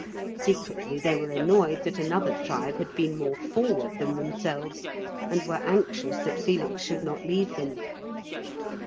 Secretly they were annoyed that another tribe had been more forward than themselves, and were anxious that Felix should not leave them.